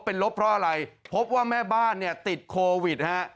เป็นลบเพราะอะไรพบว่าแม่บ้านเนี่ยติดโควิดฮะ